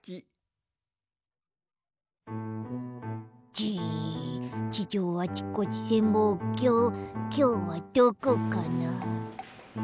じ地上あちこち潜望鏡きょうはどこかな？